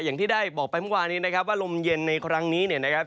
อย่างที่ได้บอกไปเมื่อวานี้นะครับว่าลมเย็นในครั้งนี้เนี่ยนะครับ